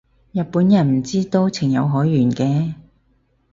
日本人唔知都情有可原嘅